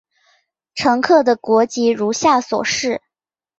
乘客的国籍如下所示。